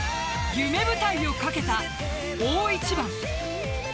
夢舞台を懸けた大一番。